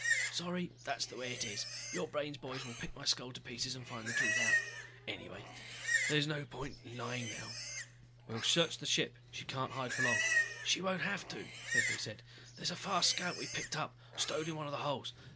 "Sorry. That's the way it is. Your brain boys will pick my skull to pieces and find out the truth anyway. There's no point in lying now." "We'll search the ship, she can't hide for long." "She won't have to," Pepe said. "There's a fast scout we picked up, stowed in one of the holds.